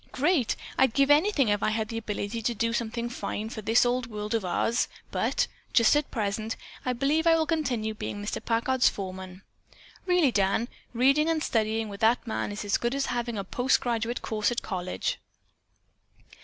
"Great! I'd give anything if I had the ability to do something fine for this old world of ours, but, just at present, I believe I will continue being Mr. Packard's foreman. Really, Dan, reading and studying with that man is as good as having a post graduate course at college."